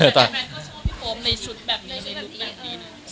แต่มันก็ชอบพี่โฟมในชุดแบบในลุคแบบนี้นะครับ